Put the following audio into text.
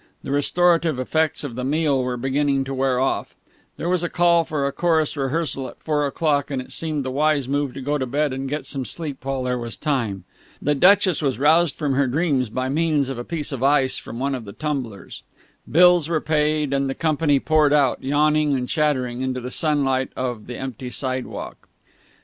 The restorative effects of the meal were beginning to wear off. There was a call for a chorus rehearsal at four o'clock, and it seemed the wise move to go to bed and get some sleep while there was time. The Duchess was roused from her dreams by means of a piece of ice from one of the tumblers; bills were paid; and the company poured out, yawning and chattering, into the sunlight of the empty boardwalk.